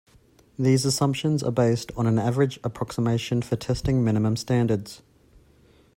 These assumptions are based on an average approximation for testing minimum standards.